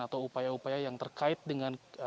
atau upaya upaya yang terkait dengan